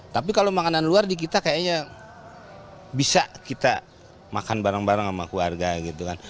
tapi kalau makanan luar di kita kayaknya bisa kita makan bareng bareng sama keluarga gitu kan